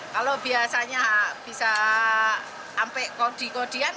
kalau biasanya bisa sampai kodi kodian